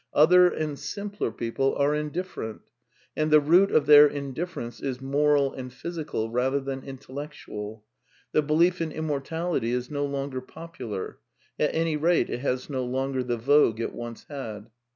Other and simpler people are indif ferent; and the root of their indifference is moral and physical rather than intellectuaL The belief in immor tality is no longer popular ; at any rate, it has no longer the vogue it once had.